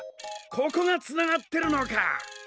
ここがつながってるのか。